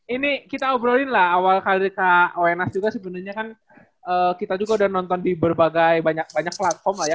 ini kita obrolin lah awal kali kak wenas juga sebenarnya kan kita juga udah nonton di berbagai banyak banyak platform lah ya